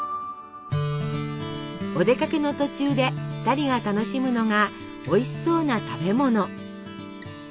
お出かけの途中で２人が楽しむのがおいしそうな食べ物。